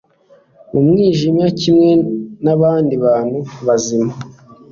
mu mwijima kimwe n'abandi bantu bazima